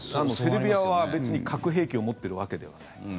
セルビアは別に核兵器を持っているわけではない。